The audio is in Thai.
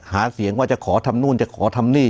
หาเสียงว่าจะขอทำนู่นจะขอทำนี่